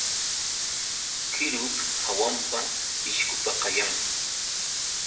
Qirup hawampa pishqupa kayan.